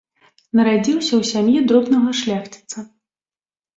Нарадзіўся ў сям'і дробнага шляхціца.